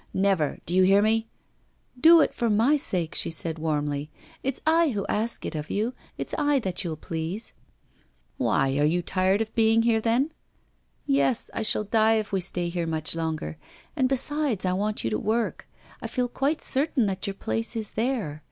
Never! do you hear me?' 'Do it for my sake,' she said, warmly. 'It's I who ask it of you, it's I that you'll please.' 'Why, are you tired of being here, then?' 'Yes, I shall die if we stay here much longer; and, besides I want you to work. I feel quite certain that your place is there.